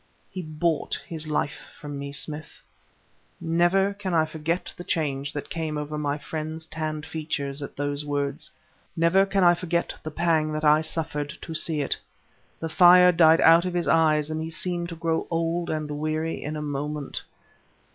"He bought his life from me, Smith." Never can I forget the change that came over my friend's tanned features at those words; never can I forget the pang that I suffered to see it. The fire died out of his eyes and he seemed to grow old and weary in a moment.